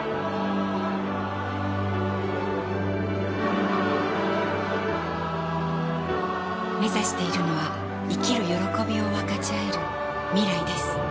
ラララめざしているのは生きる歓びを分かちあえる未来です